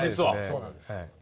そうなんです。